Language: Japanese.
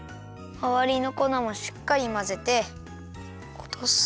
まわりのこなもしっかりまぜておとす。